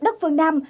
đất phương nam